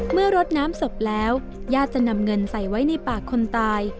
เมื่อรดน้ำศพแล้วญาติจะนำเงินใส่ไว้ในปากคนตาย